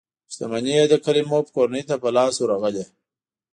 شتمنۍ یې د کریموف کورنۍ ته په لاس ورغلې.